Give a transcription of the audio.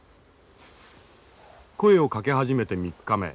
声をかけ始めて３日目。